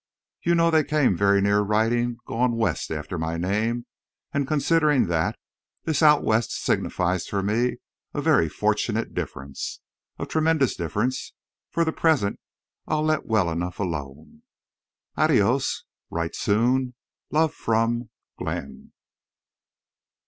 You know they came very near writing, "Gone west!" after my name, and considering that, this "Out West" signifies for me a very fortunate difference. A tremendous difference! For the present I'll let well enough alone. Adios. Write soon. Love from GLENN.